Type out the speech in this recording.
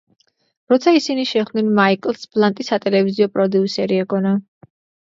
როცა ისინი შეხვდნენ მაიკლს ბლანტი სატელევიზიო პროდიუსერი ეგონა.